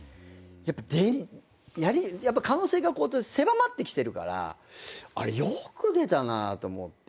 可能性がこうやって狭まってきてるからあれよく出たなと思って。